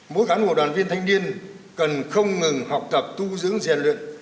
mối cản của đoàn viên thanh niên cần không ngừng học tập tu dưỡng dàn luyện